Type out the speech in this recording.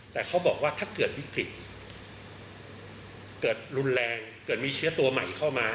แต่เขาบอกว่าถ้าเกิดวิกฤตเกิดรุนแรงเกิดมีเชื้อตัวใหม่เข้ามา